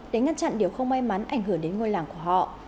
để ngăn chặn điều không may mắn ảnh hưởng đến ngôi làng của họ